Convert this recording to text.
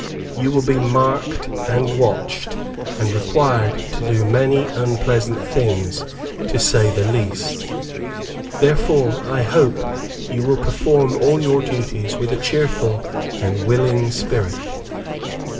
You will be marked and watched, and required to do many unpleasant things, to say the least. Therefore I hope you will perform all your duties with a cheerful and willing spirit."